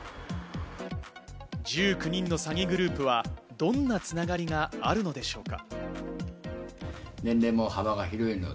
１９人の詐欺グループはどんな繋がりがあるのでしょうか？